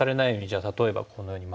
例えばこのように守ると。